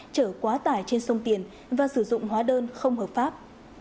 chở quá tải trên sông tiền và sử dụng hóa đơn không hợp pháp